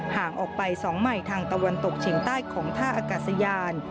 ห่างออกไป๒ใหม่ทางตะวันตกเฉียงใต้ของท่าอากาศยาน